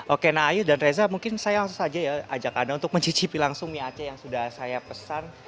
oke nah ayo dan reza mungkin saya langsung saja ya ajak anda untuk mencicipi langsung mie aceh yang sudah saya pesan